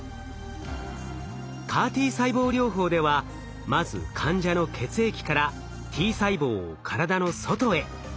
ＣＡＲ−Ｔ細胞療法ではまず患者の血液からＴ細胞を体の外へ。